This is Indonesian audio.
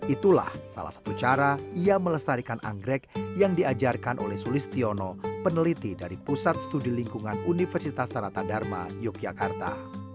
itulah salah satu cara ia melestarikan anggrek yang diajarkan oleh sulistiono peneliti dari pusat studi lingkungan universitas sarata dharma yogyakarta